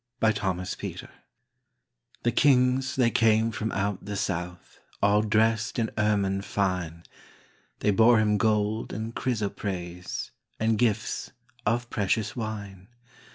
Christmas Carol The kings they came from out the south, All dressed in ermine fine, They bore Him gold and chrysoprase, And gifts of precious wine.